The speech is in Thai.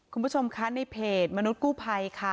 คุณผู้ชมคะในเพจมนุษย์กู้ภัยค่ะ